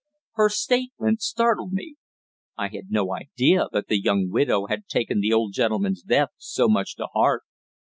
Her statement startled me. I had no idea that the young widow had taken the old gentleman's death so much to heart.